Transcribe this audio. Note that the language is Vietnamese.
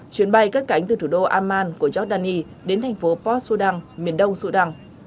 chuyến bay cắt cánh từ thủ đô amman của jordani đến thành phố port sudan miền đông sudan